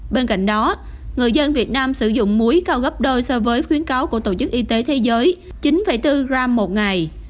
bên cạnh đó người dân việt nam sử dụng muối cao gấp đôi so với khuyến cáo của tổ chức y tế thế giới chín bốn gram một ngày